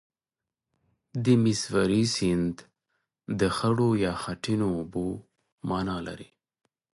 د میسوری سیند د خړو یا خټینو اوبو معنا لري.